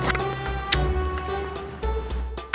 angin begini tunjuk